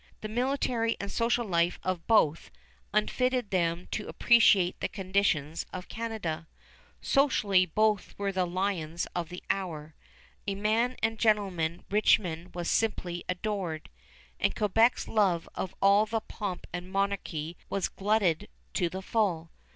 The military and social life of both unfitted them to appreciate the conditions in Canada. Socially both were the lions of the hour. As a man and gentleman Richmond was simply adored, and Quebec's love of all the pomp of monarchy was glutted to the full.